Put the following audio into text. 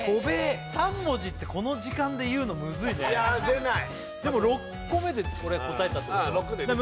３文字ってこの時間で言うのムズいねいやあ出ないでも６個目でこれ答えたでしょあ